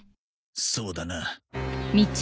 そうだな。